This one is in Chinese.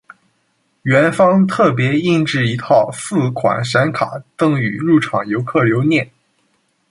园方特别印制一套四款闪卡赠予入场游客留念。